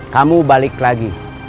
kamu balik lagi